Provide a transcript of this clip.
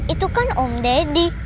itu kan om deddy